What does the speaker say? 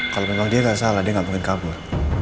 kalau memang dia gak salah dia gak mungkin kabur